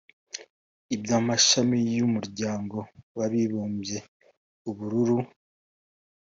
iby’amashami y’umuryango wabibumbye=ubururu